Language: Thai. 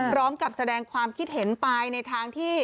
พร้อมกับแสดงความคิดเห็นไปในทางที่